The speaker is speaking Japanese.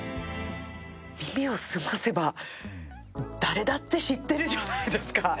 「耳をすませば」、誰だって知ってるじゃないですか。